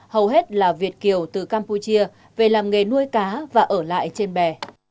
hầu hết là việt kiều từ campuchia về làm nghề nuôi cá và ở lại trên bè